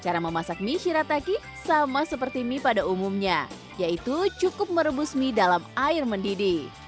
cara memasak mie shirataki sama seperti mie pada umumnya yaitu cukup merebus mie dalam air mendidih